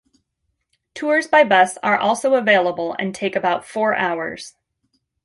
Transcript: Tours by bus are also available and take about four hours.